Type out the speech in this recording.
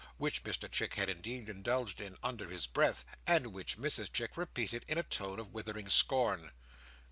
—which Mr Chick had indeed indulged in, under his breath, and which Mrs Chick repeated in a tone of withering scorn.